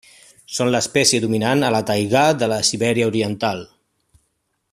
Són l'espècie dominant a la taigà de la Sibèria oriental.